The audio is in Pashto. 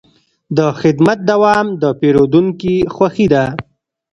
د خدمت دوام د پیرودونکي خوښي ده.